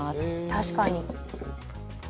「確かに」